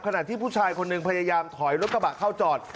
ขณะที่ผู้ชายคนหนึ่งพยายามถอยรถกระบะเข้าจอด